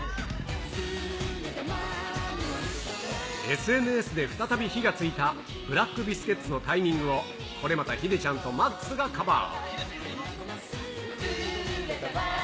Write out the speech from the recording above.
ＳＮＳで再び火がついたブラックビスケッツのＴｉｍｉｎｇを、これまたヒデちゃんとＭＡＸがカバー。